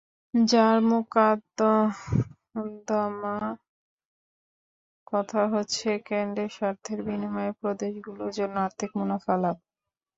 যার মোদ্দাকথা হচ্ছে, কেন্দ্রের স্বার্থের বিনিময়ে প্রদেশগুলোর জন্য আর্থিক মুনাফা লাভ।